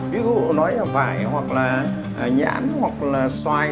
ví dụ nói là vải hoặc là nhãn hoặc là xoài